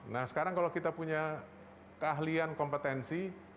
nah sekarang kalau kita punya keahlian kompetensi